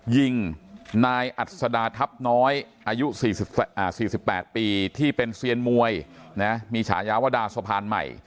ยิงนายอัศดาทัพน้อยอายุ๔๘ปีที่เป็นเซียนมวยมีฉายาวสะพานใหม่